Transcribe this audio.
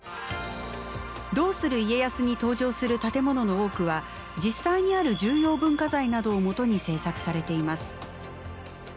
「どうする家康」に登場する建物の多くは実際にある重要文化財などをもとに制作されています。